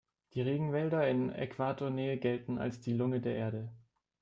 Die Regenwälder in Äquatornähe gelten als die Lunge der Erde.